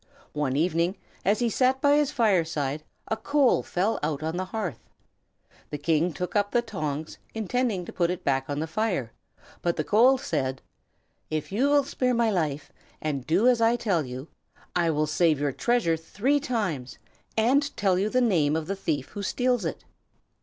One evening, as he sat by his fireside, a coal fell out on the hearth. The King took up the tongs, intending to put it back on the fire, but the coal said: "If you will spare my life, and do as I tell you, I will save your treasure three times, and tell you the name of the thief who steals it."